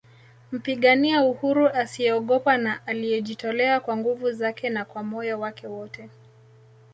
Mpigania uhuru asiyeogopa na aliyejitolea kwa nguvu zake na kwa moyo wake wote